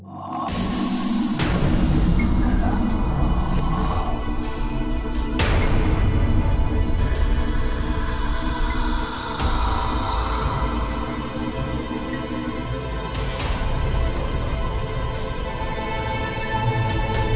aku akan belajar